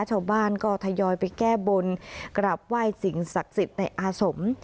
ชาวบ้านก็ทยอยไปแก้บนกลับไหว้สิ่งศักดิ์สิทธิ์ในอาสม